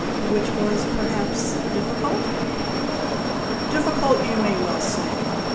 " Which was, perhaps, difficult ?"" Difficult, you may well say.